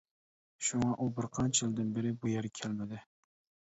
شۇڭا ئۇ بىر قانچە يىلدىن بېرى بۇ يەرگە كەلمىدى.